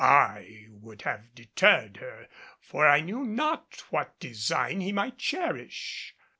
I would have deterred her, for I knew not what design he might cherish.